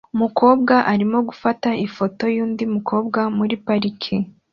Umukobwa arimo gufata ifoto yundi mukobwa muri parike